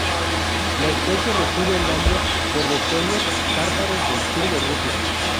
La especie recibe el nombre por los pueblos tártaros del sur de Rusia.